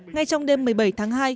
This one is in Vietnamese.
ngay trong đêm một mươi bảy tháng hai